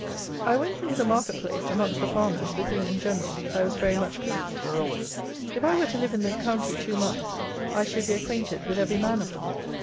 I went into the market place, amongst the farmers, with whom, in general, I was very much pleased. If I were to live in the county two months, I should be acquainted with every man of them.